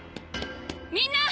みんな！